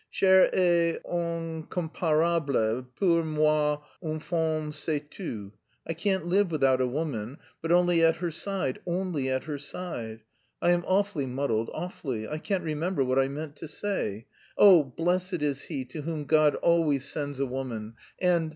Chère et incomparable, pour moi une femme c'est tout. I can't live without a woman, but only at her side, only at her side... I am awfully muddled, awfully. I can't remember what I meant to say. Oh, blessed is he to whom God always sends a woman and...